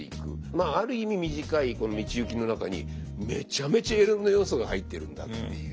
まあある意味短い道行きの中にめちゃめちゃいろんな要素が入ってるんだっていう。